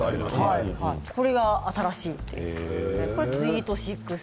これが新しいと。